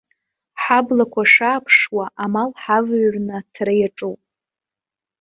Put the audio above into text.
Ҳаблақәа шааԥшуа амал ҳавыҩрны ацара иаҿуп.